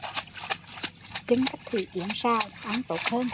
Chưng cách thủy yến sào, ăn tốt hơn